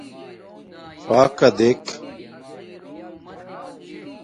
فݳکݳ دݵک.